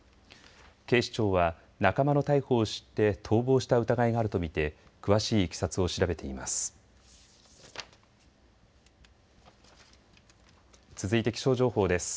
警視庁は仲間の逮捕を知って逃亡した疑いがあると見て詳しいいきさつを調べています。